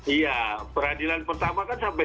iya peradilan pertama kan sampai